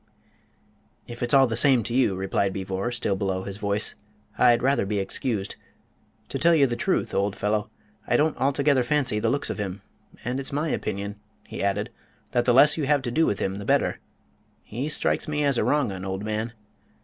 "If it's all the same to you," replied Beevor, still below his voice, "I'd rather be excused. To tell you the truth, old fellow, I don't altogether fancy the looks of him, and it's my opinion," he added, "that the less you have to do with him the better. He strikes me as a wrong'un, old man."